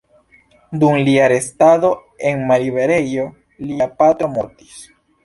Dum lia restado en malliberejo lia patro mortis.